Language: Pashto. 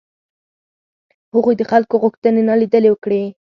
هغوی د خلکو غوښتنې نالیدلې کړې.